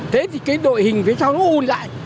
thế thì cái đội hình phía sau nó ùn lại